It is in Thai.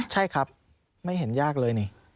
ใช่ครับไม่เห็นยากเลยนี่